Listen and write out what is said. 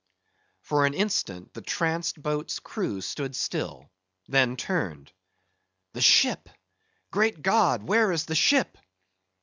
For an instant, the tranced boat's crew stood still; then turned. "The ship? Great God, where is the ship?"